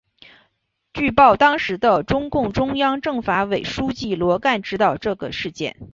据报当时的中共中央政法委书记罗干知道这个事件。